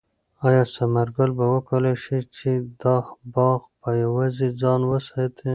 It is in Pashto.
آیا ثمر ګل به وکولای شي چې دا باغ په یوازې ځان وساتي؟